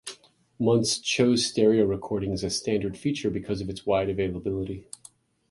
Muntz chose stereo recording as a standard feature because of its wide availability.